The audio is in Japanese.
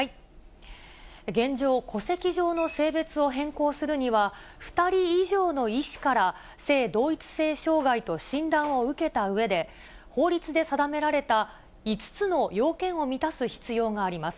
現状、戸籍上の性別を変更するには、２人以上の医師から、性同一性障害と診断を受けたうえで、法律で定められた５つの要件を満たす必要があります。